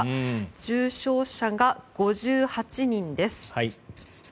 重症者が５８人です。